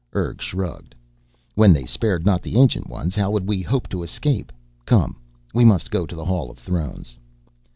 Urg shrugged. "When they spared not the Ancient Ones how could we hope to escape? Come, we must go to the Hall of Thrones."